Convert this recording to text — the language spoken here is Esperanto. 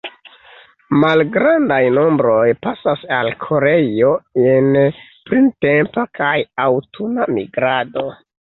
Malgrandaj nombroj pasas al Koreio en printempa kaj aŭtuna migrado.